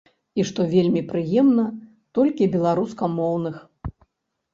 І што вельмі прыемна, толькі беларускамоўных.